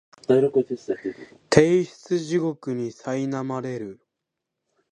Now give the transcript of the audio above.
提出地獄にさいなまれる